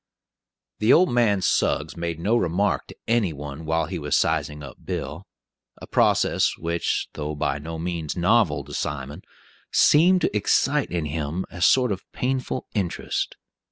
The old man Suggs made no remark to any one while he was sizing up Bill, a process which, though by no means novel to Simon, seemed to excite in him a sort of painful interest.